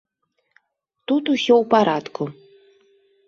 Тут усё ў парадку.